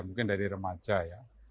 mungkin dari remaja ya